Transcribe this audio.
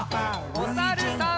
おさるさん。